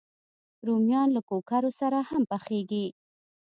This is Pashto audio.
رومیان له کوکرو سره هم پخېږي